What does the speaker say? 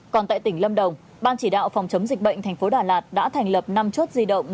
còn tại tỉnh lâm đồng ban chỉ đạo phòng chống dịch bệnh thành phố đà lạt đã thành lập năm chốt di động